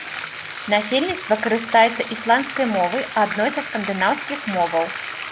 Насельніцтва карыстаецца ісландскай мовай, адной са скандынаўскіх моваў.